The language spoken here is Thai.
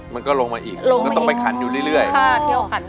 มันก็ลงมาอีกก็ต้องไปขันอยู่เรื่อย